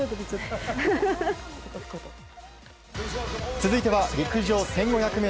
続いては陸上１５００ｍ。